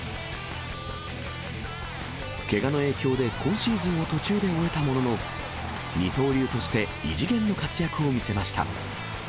けがの影響で、今シーズンを途中で終えたものの、二刀流として異次元の活躍を見せました。